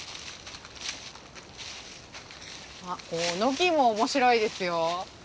あっこの木も面白いですよ。